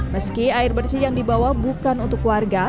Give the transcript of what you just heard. meski air bersih yang dibawa bukan untuk warga